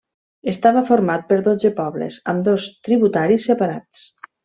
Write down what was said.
Estava format per dotze pobles, amb dos tributaris separats.